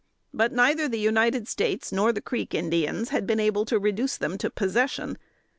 But neither the United States nor the Creek Indians had been able to reduce them to possession.